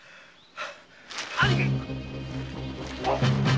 兄貴！